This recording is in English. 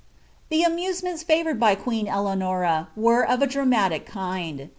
The amusements ni :i« favoured by queen Eleanom were of a dramatic kind.